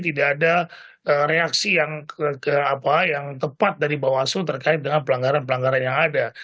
tidak ada reaksi yang tepat dari bawaslu terkait dengan pelanggaran pelanggaran yang ada